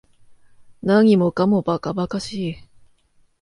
何もかも馬鹿馬鹿しい